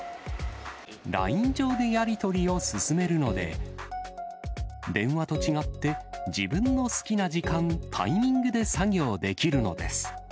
ＬＩＮＥ上でやり取りを進めるので、電話と違って自分の好きな時間、タイミングで作業できるのです。